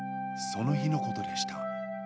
そのひのことでした。